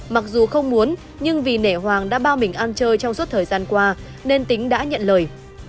mặc dù không muốn nhưng vì nể hoàng đã bao mình ăn chơi trong suốt thời gian qua nên tính đã nhận lời